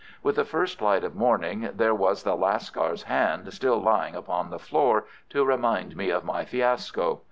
With the first light of morning there was the Lascar's hand still lying upon the floor to remind me of my fiasco.